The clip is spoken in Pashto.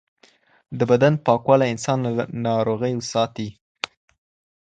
د بدن پاکوالی انسان له ناروغیو ساتي.